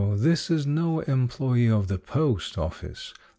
this is no employe of the post office.